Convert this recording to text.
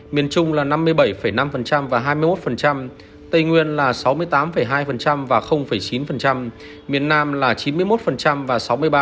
miền trung là năm mươi bảy năm và hai mươi một tây nguyên là sáu mươi tám hai và chín miền nam là chín mươi một và sáu mươi ba